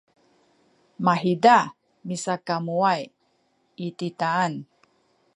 mahiza misakamuway i titaan